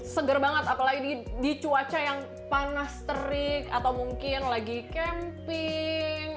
segar banget apalagi di cuaca yang panas terik atau mungkin lagi camping